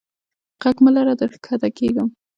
ږغ مه لره در کښته کیږم.